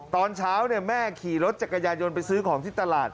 ตอนเช้าแม่ขี่รถจักรยายนต์ไปซื้อของที่ตลาด